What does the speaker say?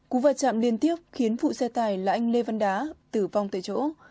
cú vật chạm liên tiếp khiến phụ xe tải là anh lê văn đá tử vong tại chỗ